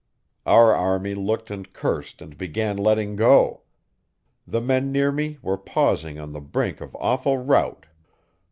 Our army looked and cursed and began letting go. The men near me were pausing on the brink of awful rout.